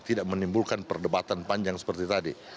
tidak menimbulkan perdebatan panjang seperti tadi